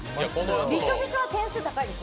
びしょびしょは点数高いですよ。